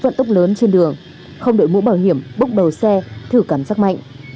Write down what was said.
vẫn tốc lớn trên đường không đợi mũ bảo hiểm bốc đầu xe thử cảm giác mạnh